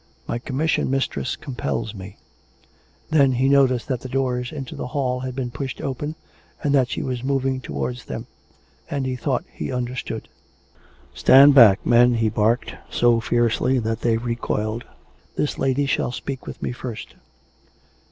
" My commission, mistress, compels me " Then he noticed that the doors into the hall had been pushed open, and that she was moving towards them. And he thought he understood. " Stand back, men," he barked, so fiercely that they re coiled. " This lady shall speak with me first."